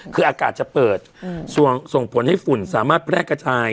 คืออากาศจะเปิดส่งผลให้ฝุ่นสามารถแพร่กระจาย